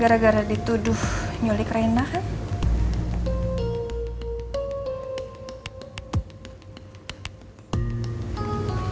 gara gara dituduh nyulik renahan